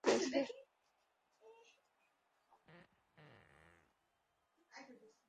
আরে মেরে ফেলবি নাকি ওকে?